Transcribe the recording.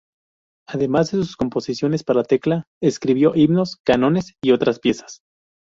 Además de sus composiciones para tecla, escribió himnos, cánones y otras piezas.